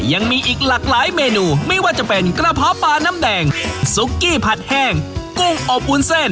ยังมีเมนูอื่นอื่นอีกเยอะแยะมากมายังมากมาค่ะอ่าเด็กเด็กค่ะเด็กเด็ก